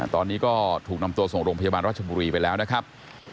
ตอนนี้ก็ถูกนำตัวส่งโรงพยาบาลรัชบุรีไปแล้วนะครับ